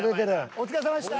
お疲れさまでした。